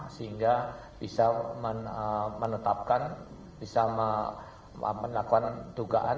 sehingga bisa menetapkan bisa melakukan dugaan